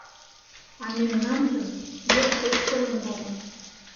А мемнанжын йӧршеш шелын возын».